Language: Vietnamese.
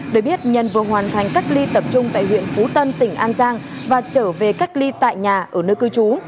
để biết nhân vừa hoàn thành cách ly tập trung tại huyện phú tân tỉnh an giang và trở về cách ly tại nhà ở nơi cư trú